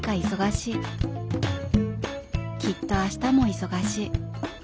きっと明日も忙しい。